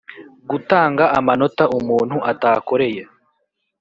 Gutanga amanota umuntu atakoreye